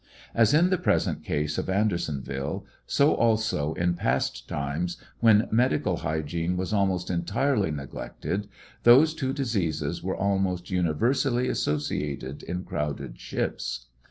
As in the present case of Andersonville, so also in past times when medical hygiene was almost entirely neglected, those two diseases were almost universally associated in crowded ships.